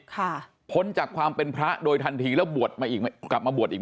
พ้นจากความเป็นพระโดยทันทีแล้วบวชมาอีกกลับมาบวชอีก